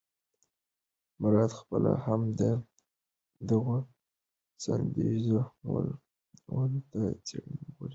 مراد خپله هم دغو سندریزو ولولو ته څڼې غورځولې.